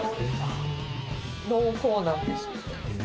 濃厚なんです。